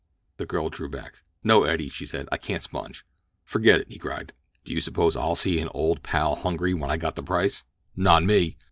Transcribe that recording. The girl drew back. "No, Eddie," she said; "I can't sponge." "Forget it," he cried. "Do you suppose I'll see an old pal hungry when I got the price? Not me!"